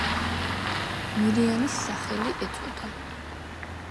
მირიანის სახელი ეწოდა.